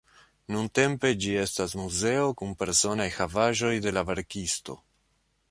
Nuntempe ĝi estas muzeo kun personaj havaĵoj de la verkisto.